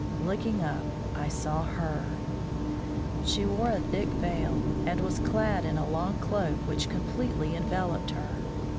Looking up, I saw her. She wore a thick veil, and was clad in a long cloak which completely enveloped her.